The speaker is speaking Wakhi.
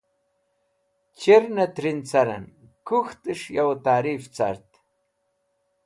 Chir nẽ trin carẽn kũk̃htẽs̃h yo tarifẽ cart.